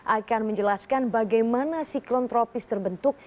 akan menjelaskan bagaimana siklon tropis terbentuk